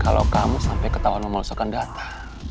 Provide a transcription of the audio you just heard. kalau kamu sampai ketahuan memalsukan data